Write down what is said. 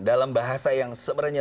dalam bahasa yang sebenarnya